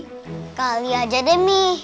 kak ali aja deh mi